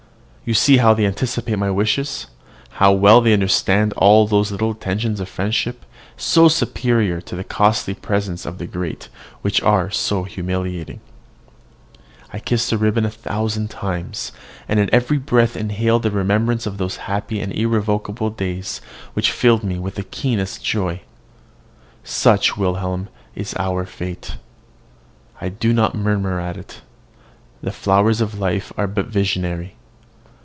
You see how they anticipate my wishes, how well they understand all those little attentions of friendship, so superior to the costly presents of the great, which are humiliating. I kissed the ribbon a thousand times, and in every breath inhaled the remembrance of those happy and irrevocable days which filled me with the keenest joy. Such, Wilhelm, is our fate. I do not murmur at it: the flowers of life are but visionary.